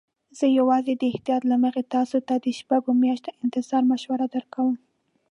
زه یوازې د احتیاط له مخې تاسي ته د شپږو میاشتو انتظار مشوره درکوم.